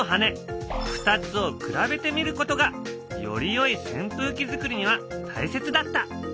２つを比べてみることがよりよいせん風機づくりには大切だった。